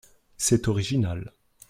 C’est original.